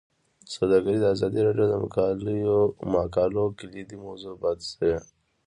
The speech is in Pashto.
سوداګري د ازادي راډیو د مقالو کلیدي موضوع پاتې شوی.